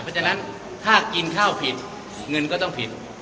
เพราะฉะนั้นถ้ากินข้าวผิดเงินก็ต้องผิด